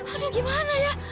aduh gimana ya